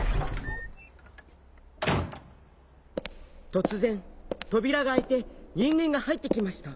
とつぜんとびらがあいてにんげんがはいってきました。